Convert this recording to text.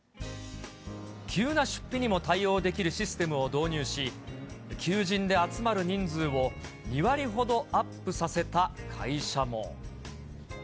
急な出費にも対応できるシステムを導入し、求人で集まる人数を２割ほどアップさせた会社も。